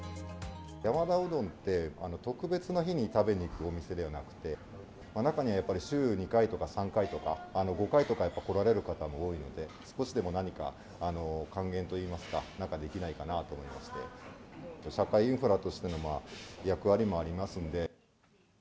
山田うどんって、特別な日に食べに行くお店ではなくて、中にはやっぱり、週２回とか３回とか、５回とかやっぱり来られる方も多いので、少しでも何か還元といいますか、なんかできないかなと思いまして、社会インフラとしての役割もありますので。